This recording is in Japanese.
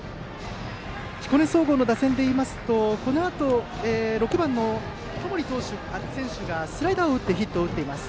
彦根総合の打線でいいますとこのあと、６番の友利選手がスライダーをヒットを打っています。